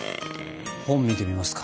本見てみますか。